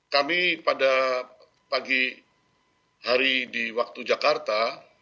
kami pada pagi hari di waktu jakarta